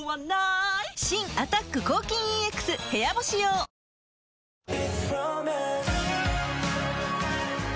新「アタック抗菌ＥＸ部屋干し用」プシューッ！